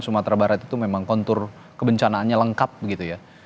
sumatera barat itu memang kontur kebencanaannya lengkap begitu ya